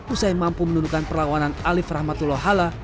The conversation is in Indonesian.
usai mampu menundukan perlawanan alif rahmatullah hala